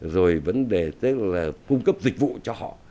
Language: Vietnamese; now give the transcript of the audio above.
rồi vấn đề tức là cung cấp dịch vụ cho họ